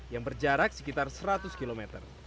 yang berjarak sekitar seratus km